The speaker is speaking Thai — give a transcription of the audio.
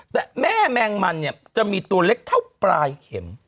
แต่แม่แมงมันเนี่ยจะมีตัวเล็กเท่าปลายเข็ม